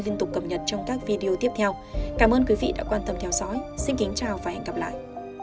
liên tục cập nhật trong các video tiếp theo cảm ơn quý vị đã quan tâm theo dõi xin kính chào và hẹn gặp lại